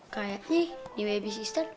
kayaknya nih di webisistan